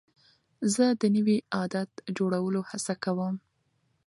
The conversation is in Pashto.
زه د نوي عادت جوړولو هڅه کوم.